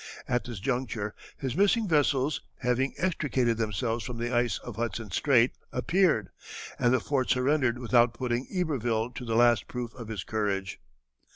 At this juncture his missing vessels, having extricated themselves from the ice of Hudson Strait, appeared, and the fort surrendered without putting Iberville to the last proof of his courage.